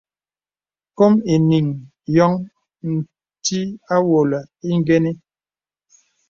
Kòm enīŋ yóŋ ntí àwolə ingənə.